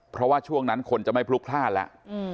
เพราะว่าช่วงนั้นคนจะไม่พลุกพลาดแล้ว